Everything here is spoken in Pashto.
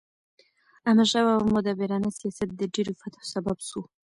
احمدشاه بابا مدبرانه سیاست د ډیرو فتحو سبب سو.